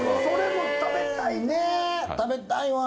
それも食べたい！